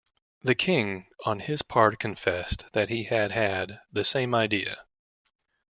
The king, on his part confessed that he had had the same idea.